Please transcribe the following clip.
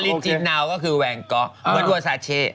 ออริจินัลก็คือแวงก๊อกเหมือนเวอร์ซาเช่